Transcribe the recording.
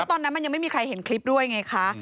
ตอนนั้นมันยังไม่มีใครเห็นคลิปด้วยไงคะ